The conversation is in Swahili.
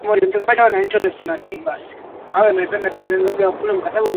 kila mwananchi anayetambua wajibu wa vyombo vya habari vya taifa kwa wananchi wake Shirika